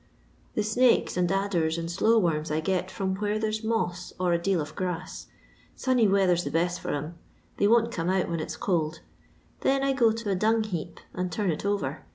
*' The snakes, and adders, and slow worms I get from where there's moss or a deal of grass. Sunny weather's the best for them, they won't come out when it 's cold ; then I go to a dung^ heap, and turn it over.